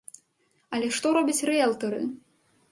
Але што робяць рыэлтары?